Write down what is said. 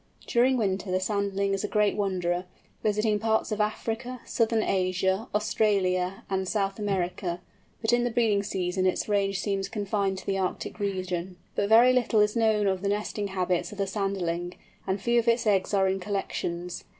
During winter the Sanderling is a great wanderer, visiting parts of Africa, Southern Asia, Australia, and South America, but in the breeding season its range seems confined to the Arctic regions. But very little is known of the nesting habits of the Sanderling, and few of its eggs are in collections.